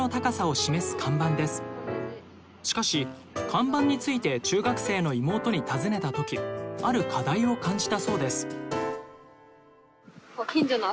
しかし看板について中学生の妹に尋ねた時ある課題を感じたそうです。